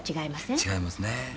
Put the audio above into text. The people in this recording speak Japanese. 谷村：違いますね。